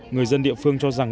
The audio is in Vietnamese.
người dân địa phương cho rằng